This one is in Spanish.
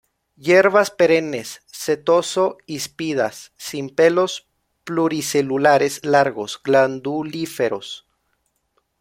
Hierbas perennes, setoso-híspidas, sin pelos pluricelulares largos glandulíferos.